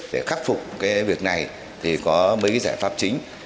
để khắc phục cái việc này thì có mấy cái giải pháp chính